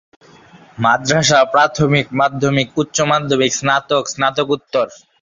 মাদরাসা, প্রাথমিক, মাধ্যমিক, উচ্চমাধ্যমিক, স্নাতক, স্নাতকোত্তর।